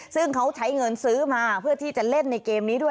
ซึ่งเขาใช้เงินซื้อมาเพื่อที่จะเล่นในเกมนี้ด้วย